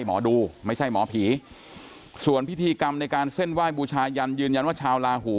หมอดูไม่ใช่หมอผีส่วนพิธีกรรมในการเส้นไหว้บูชายันยืนยันว่าชาวลาหู